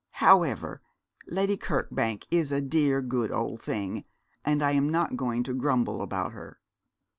However, Lady Kirkbank is a dear, good old thing, and I am not going to grumble about her.'